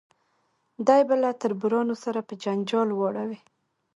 دی به له تربورانو سره په جنجال واړوي.